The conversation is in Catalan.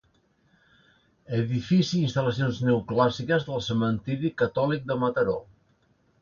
Edifici i instal·lacions neoclàssiques del Cementiri Catòlic de Mataró.